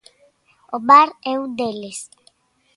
Omar é un deles.